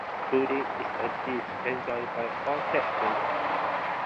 Pudding is a dish enjoyed by all Texans.